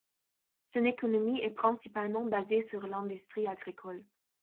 Son économie est principalement basée sur l'industrie agricole.